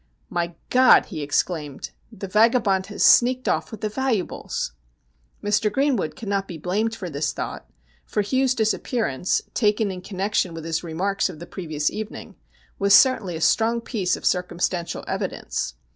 ' My God !' he exclaimed, ' the vagabond has sneaked off with the valuables.' Mr. Greenwood could not be blamed for this thought, for Hugh's disappearance, taken in connection with his remarks of the previous evening, was certainly a strong piece of circum stantial evidence.